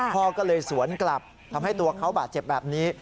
พ่อก็เลยสวนกลับทำให้ตัวเขาบาดเจ็บแบบนี้